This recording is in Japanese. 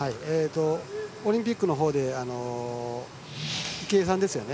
オリンピックのほうで池江さんですよね。